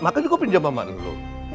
makanya gue pinjam sama lo